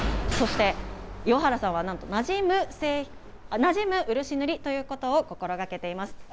そして、岩原さんはなじむ漆塗りということを心がけています。